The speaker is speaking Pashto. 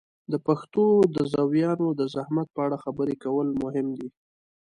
د پښتو د زویانو د زحمت په اړه خبرې کول مهم دي.